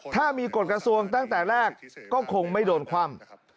ถ้ามีกฎกระทรวงตั้งแต่แรกก็คงไม่โดนคว่ำ